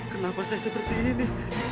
kenapa saya seperti ini